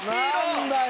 何だよ。